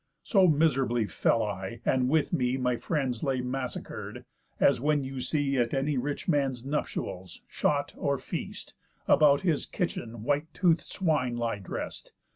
So miserably fell I, and with me My friends lay massacred, as when you see At any rich man's nuptials, shot, or feast, About his kitchen white tooth'd swine lie drest.